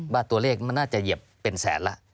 ว่าตัวเลขมันน่าจะเหยียบเป็นแสนแล้ว